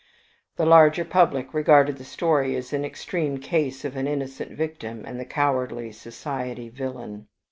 The larger public regarded the story as an extreme case of the innocent victim and the cowardly society villain.